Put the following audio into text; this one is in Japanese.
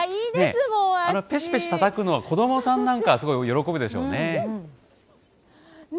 ぺしぺしたたくのは、子どもさんなんか、すごく喜ぶでしょうね。